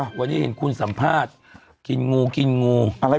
วันนี้เห็นคุณสัมภาษณ์กินงูกินงูอะไร